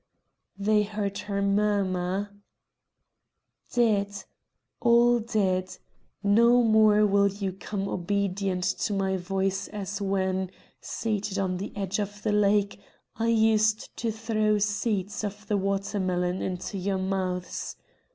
They heard her murmur: "Dead! All dead! No more will you come obedient to my voice as when, seated on the edge of the lake, I used to through seeds of the watermelon into your mouths!